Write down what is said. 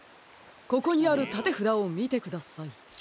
ここにあるたてふだをみてください。